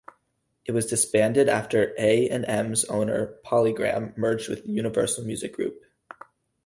It was disbanded after A and M's owner PolyGram merged with Universal Music Group.